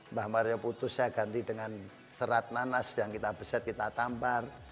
mbah maria putus saya ganti dengan serat nanas yang kita beset kita tampar